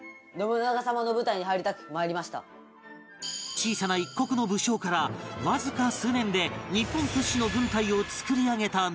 小さな一国の武将からわずか数年で日本屈指の軍隊を作り上げた信長